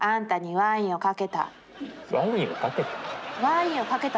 ワインをかけた？